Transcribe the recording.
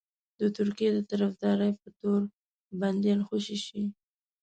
د ترکیې د طرفدارۍ په تور بنديان خوشي شي.